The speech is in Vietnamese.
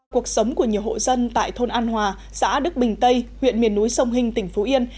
cuộc sống của nhiều hộ dân tại thôn an hòa xã đức bình tây huyện miền núi sông hinh tỉnh phú yên